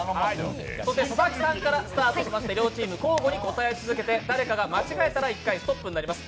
そして佐々木さんからスタートしまして両チーム、交互に答え続けて誰かが間違えたら１回ストップとなります。